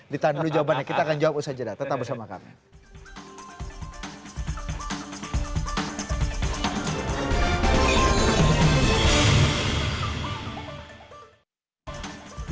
ditahan dulu jawabannya kita akan jawab usaha jeda tetap bersama kami